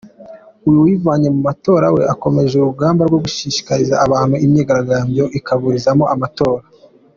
Uyu wivanye mu matora we akomeje urugamba rwo gushishikariza abantu imyigaragambyo ikaburizamo amatora.